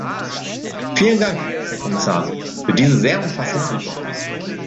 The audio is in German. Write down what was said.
Vielen Dank, Herr Kommissar, für diese sehr umfassende Antwort.